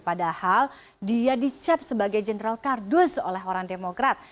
padahal dia dicap sebagai jenderal kardus oleh orang demokrat